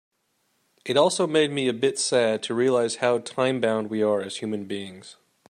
It also made me a bit sad to realize how time-bound we are as human beings.